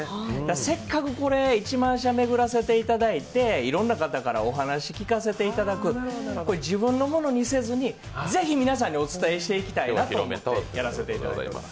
せっかく１万社巡らせていただいていろんな方からお話を聞かせていただく、自分のものにせずに、是非皆さんにお伝えしたいなと思ってやらせていただいています。